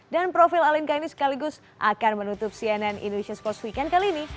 dan profil alinka ini sekaligus akan menutup cnn indonesia sports weekend kali ini